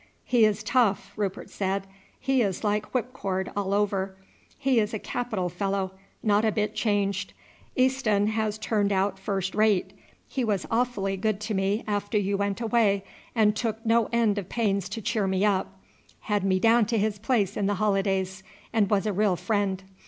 "He is tough," Rupert said; "he is like whip cord all over; he is a capital fellow, not a bit changed. Easton has turned out first rate; he was awfully good to me after you went away, and took no end of pains to cheer me up, had me down to his place in the holidays, and was a real friend.